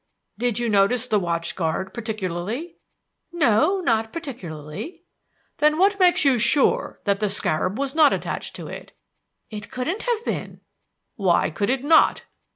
"Did you notice the watch guard particularly?" "No; not particularly." "Then what makes you sure that the scarab was not attached to it?" "It couldn't have been." "Why could it not?"